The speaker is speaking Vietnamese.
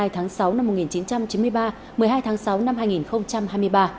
hai mươi tháng sáu năm một nghìn chín trăm chín mươi ba một mươi hai tháng sáu năm hai nghìn hai mươi ba